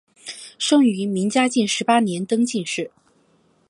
生于明嘉靖十八年登进士。